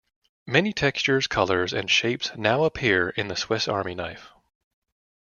Many textures, colors and shapes now appear in the Swiss Army Knife.